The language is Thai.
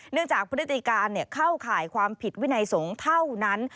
จากพฤติการเข้าข่ายความผิดวินัยสงฆ์เท่านั้น